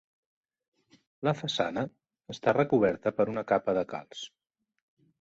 La façana està recoberta per una capa de calç.